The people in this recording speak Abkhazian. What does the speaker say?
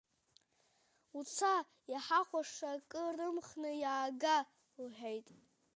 Уца, иҳахәаша ак рымхны иаага, — лҳәеит.